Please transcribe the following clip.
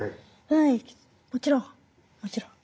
はいもちろんもちろん。